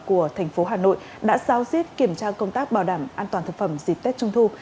của tp hcm đã giáo diết kiểm tra công tác bảo đảm an toàn thực phẩm dịp tết trung thu